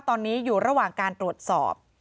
ตอนนี้อยู่ระหว่างการตรวจสอบ